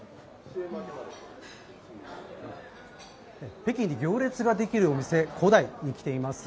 北京で行列ができるお店胡大に来ています。